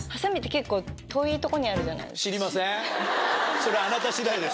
それあなた次第です。